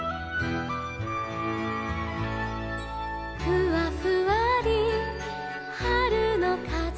「ふわふわりはるのかぜ」